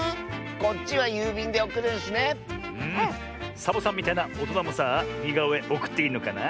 サボさんみたいなおとなもさあにがおえおくっていいのかな？